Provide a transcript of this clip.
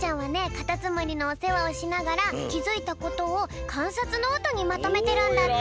カタツムリのおせわをしながらきづいたことをかんさつノートにまとめてるんだって。